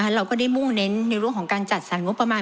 เราก็ได้มุ่งเน้นในเรื่องของการจัดสรรงบประมาณ